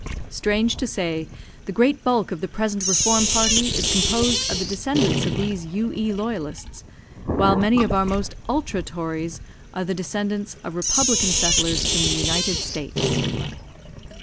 Strange to say, the great bulk of the present reform party is composed of the descendants of these U.E. Loyalists, while many of our most ultra tories are the descendants of republican settlers from the United States.